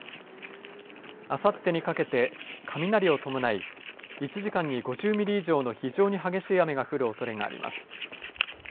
あさってにかけて雷を伴い１時間に５０ミリ以上の非常に激しい雨が降るおそれがあります。